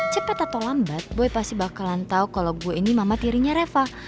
cepet atau lambat boy pasti bakalan tau kalau gue ini mamat dirinya reva